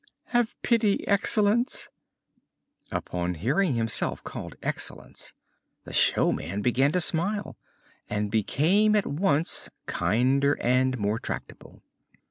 "Have pity, Excellence!" Upon hearing himself called Excellence the showman began to smile and became at once kinder and more tractable.